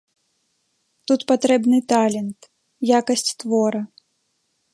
Тут патрэбны талент, якасць твора.